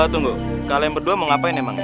tunggu kalian berdua mau ngapain emang